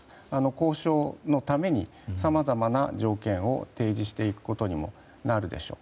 交渉のためにさまざまな条件を提示していくことにもなるでしょう。